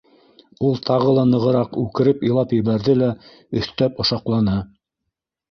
— Ул тағы ла нығыраҡ үкереп илап ебәрҙе лә өҫтәп ошаҡланы: